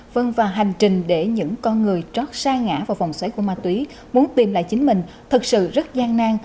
vâng và hành trình để những con người trót xa ngã vào vòng xoáy của ma túy muốn tìm lại chính mình thật sự rất gian nang